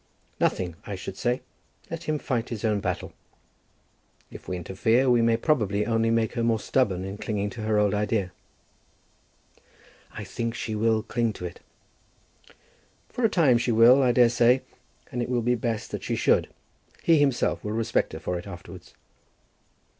"Nothing, I should say. Let him fight his own battle. If we interfere, we may probably only make her more stubborn in clinging to her old idea." "I think she will cling to it." "For a time she will, I daresay. And it will be best that she should. He himself will respect her for it afterwards."